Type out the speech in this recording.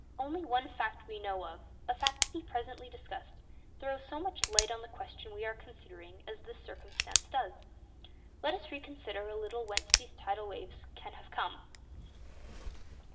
Only one fact we know of—a fact to be presently discussed—throws so much light on the question we are considering as this circumstance does. Let us consider a little whence these tidal waves can have come.